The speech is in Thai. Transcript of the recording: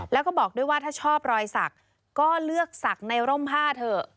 แล้วก็บอกด้วยว่าถ้าชอบรอยสักก็เลือกศักดิ์ในร่มผ้าเถอะ